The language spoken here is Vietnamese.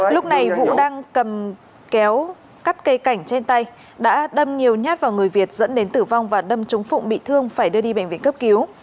lúc này vũ đang cầm kéo cắt cây cảnh trên tay đã đâm nhiều nhát vào người việt dẫn đến tử vong và đâm trúng phụng bị thương phải đưa đi bệnh viện cấp cứu